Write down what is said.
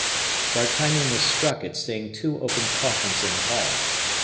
D'Artagnan was struck at seeing two open coffins in the hall.